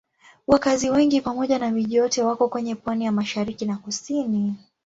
Wakazi wengi pamoja na miji yote wako kwenye pwani ya mashariki na kusini.